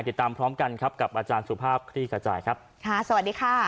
ติดตามพร้อมกันครับกับอาจารย์สุภาพคลี่ขจายครับค่ะสวัสดีค่ะ